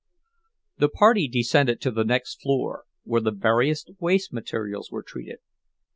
The party descended to the next floor, where the various waste materials were treated.